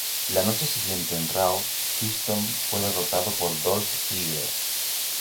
La noche siguiente en Raw, Kingston fue derrotado por Dolph Ziggler.